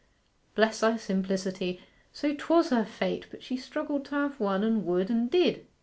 Bless thy simplicity, so 'twas her fate; but she struggled to have one, and would, and did.